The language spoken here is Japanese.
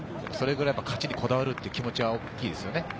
それくらい勝ちにこだわるという気持ちは大きいですね。